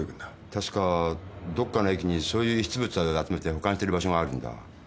確かどっかの駅にそういう遺失物集めて保管してる場所があるんだ。